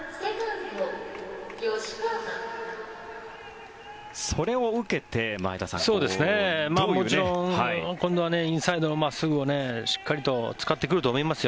もちろん今度はインサイドの真っすぐをしっかりと使ってくると思いますよ。